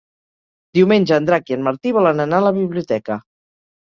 Diumenge en Drac i en Martí volen anar a la biblioteca.